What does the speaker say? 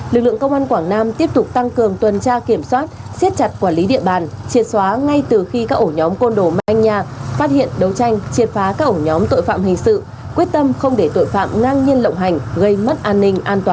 lực lượng công an quảng nam tiếp tục tăng cường tuần tra kiểm soát xiết chặt quản lý địa bàn triệt xóa ngay từ khi các ổ nhóm côn đồ manh nha phát hiện đấu tranh triệt phá các ổ nhóm tội phạm hình sự quyết tâm không để tội phạm ngang nhiên lộng hành gây mất an ninh an toàn